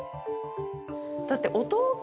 だって弟？